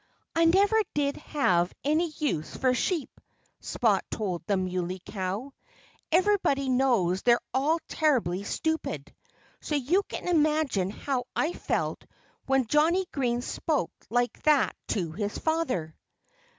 "I never did have any use for sheep," Spot told the Muley Cow. "Everybody knows they're all terribly stupid. So you can imagine how I felt when Johnnie Green spoke like that to his father."